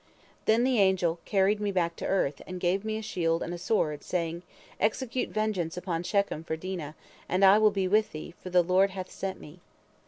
Then the angel carried me back to earth, and gave me a shield and a sword, saying, 'Execute vengeance upon Shechem for Dinah, and I will be with thee, for the Lord hath sent me.'